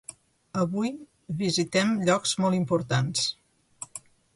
Avui visitem llocs molt importants.